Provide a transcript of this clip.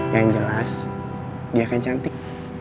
yang jelas dia akan cantik